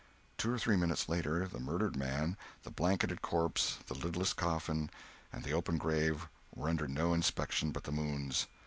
Two or three minutes later the murdered man, the blanketed corpse, the lidless coffin, and the open grave were under no inspection but the moon's.